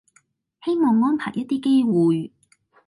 希望安排一啲機會